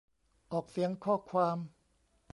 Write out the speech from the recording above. ออกเสียงข้อความ